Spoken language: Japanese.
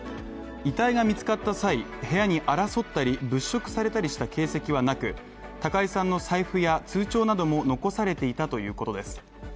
遺体が見つかった際、部屋に争ったり物色されたりした形跡はなく高井さんの財布や通帳なども残されていたということです。